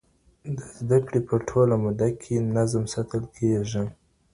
د زده کړي په ټوله موده کي نظم ساتل کېږي.